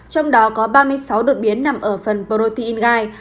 trong đó có ba mươi sáu đột biến nằm ở phần protein gai